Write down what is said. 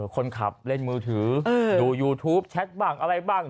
คนขับเล่นมือถือดูยูทูปแชทบ้างอะไรบ้าง